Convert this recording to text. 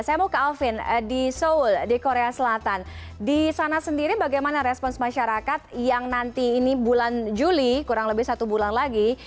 saya mau ke alvin di seoul di korea selatan di sana sendiri bagaimana respons masyarakat yang nanti ini bulan juli kurang lebih satu bulan lagi